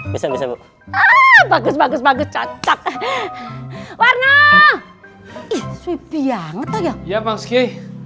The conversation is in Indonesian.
bisa bisa bu bagus bagus cacat warna swip yang ya ya bang ski